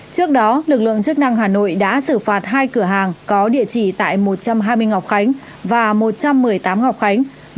trước đó lực lượng chức năng hà nội đã xử phạt hai cửa hàng có địa chỉ tại một trăm hai mươi ngọc khánh và một trăm một mươi tám ngọc khánh